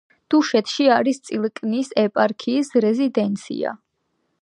დუშეთში არის წილკნის ეპარქიის რეზიდენცია.